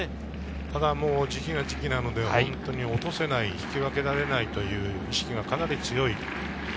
ただ時期が時期なので、落とせない、引き分けられない意識がかなり強い。